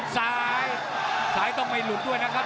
ซ้ายซ้ายต้องไม่หลุดด้วยนะครับ